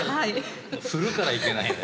振るからいけないのよ。